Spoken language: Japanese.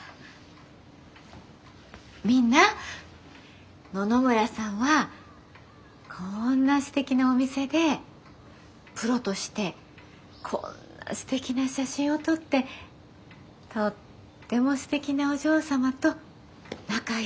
みんな野々村さんはこんなすてきなお店でプロとしてこんなすてきな写真を撮ってとってもすてきなお嬢様と仲よく暮らしてます。